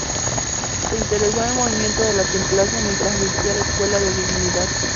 Se interesó en el movimiento de templanza mientras asistía a la Escuela de Divinidad.